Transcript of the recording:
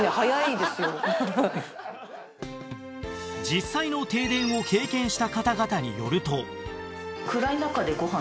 実際の停電を経験した方々によると